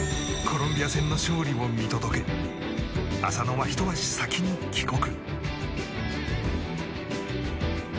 コロンビア戦の勝利を見届け浅野はひと足先に帰国。